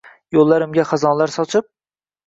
Yo‘llarimga xazonlar sochib?